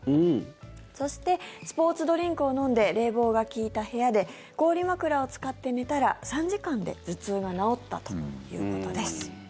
そしてスポーツドリンクを飲んで冷房が利いた部屋で氷枕を使って寝たら、３時間で頭痛が治ったということです。